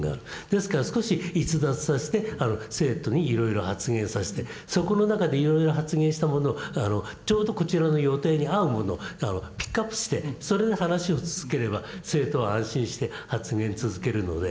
ですから少し逸脱させて生徒にいろいろ発言させてそこの中でいろいろ発言したものをちょうどこちらの予定に合うものをピックアップしてそれで話を続ければ生徒は安心して発言続けるので。